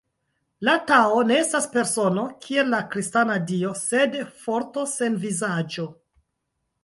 La Tao ne estas persono, kiel la kristana Dio, sed forto sen vizaĝo.